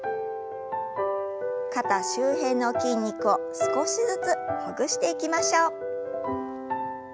肩周辺の筋肉を少しずつほぐしていきましょう。